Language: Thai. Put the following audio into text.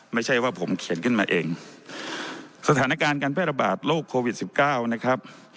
ไม่ใช่ว่าผมเขียนขึ้นมาเองสถานการณ์การแพร่ระบาดโรคโควิดสิบเก้านะครับ